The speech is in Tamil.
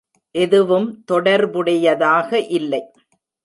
எதுவும் தொடர்புடையதாக இல்லை.